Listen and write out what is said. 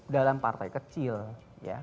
dalam partai kecil ya